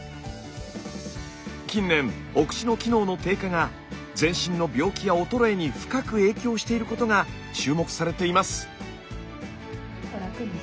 近年お口の機能の低下が全身の病気や衰えに深く影響していることが注目されています。